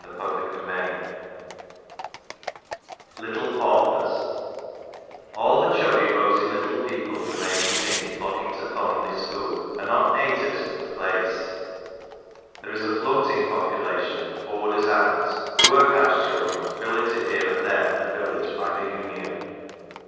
190 LITTLE PAUPERS LITTLE PAUPERS ALL the chubby rosy little people who may be seen flocking to Thornleigh school are not natives of the place : there is a floating population of " boarders out " workhouse children billeted here and there in the village by " the Union."